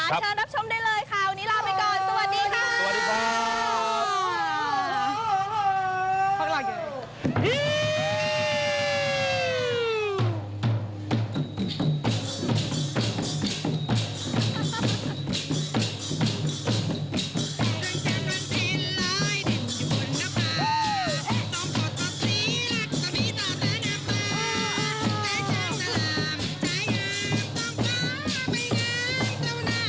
เชิญรับชมได้เลยค่ะวันนี้ลาไปก่อน